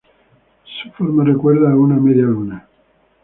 Su forma recuerda a una media luna.